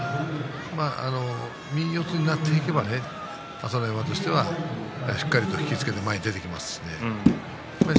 右四つになっていけば朝乃山としては、しっかり引き付けて前に出ていきます。